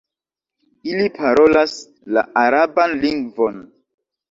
Ili parolas la araban lingvon.